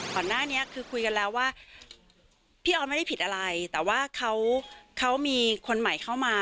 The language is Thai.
ก่อนหน้านี้คือคุยกันแล้วว่าพี่ออสไม่ได้ผิดอะไรแต่ว่าเขามีคนใหม่เข้ามา